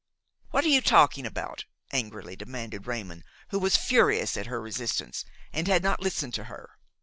"What are you talking about?" angrily demanded Raymon, who was furious at her resistance and had not listened to her.